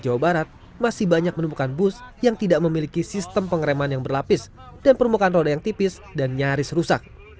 jawa barat masih banyak menemukan bus yang tidak memiliki sistem pengereman yang berlapis dan permukaan roda yang tipis dan nyaris rusak